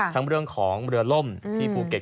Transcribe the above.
ทั้งเรื่องของเรือล่มที่ภูเก็ต